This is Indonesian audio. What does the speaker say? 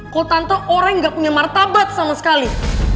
kalau tante orang yang gak punya martabat sama sekali